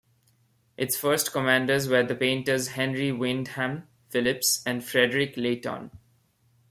Its first commanders were the painters Henry Wyndham Phillips and Frederic Leighton.